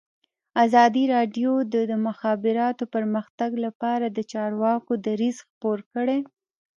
ازادي راډیو د د مخابراتو پرمختګ لپاره د چارواکو دریځ خپور کړی.